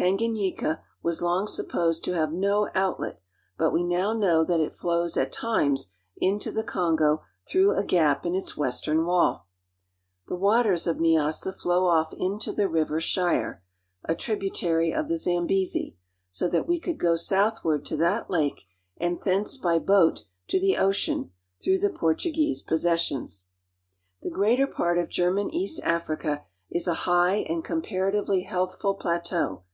Tanganyika was long supposed to have no outlet ; but we now know that it flows at times into the Kongo through a gap in its western wall. The waters of Nyassa flow off into THROUGH GERMAN EAST AFRICA TO INDIAN OCEAN 2S3 I' the river Shire, a tributary of the Zambezi, so that we I could go southward to that lake and thence by boat to the 1 ocean, through the Portuguese possessions. I The greater part of German East Africa is a high and 1 comparatively healthful plateau.